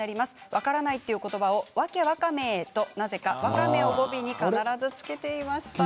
分からないという言葉をわけわかめと、なぜかわかめを語尾につけていました。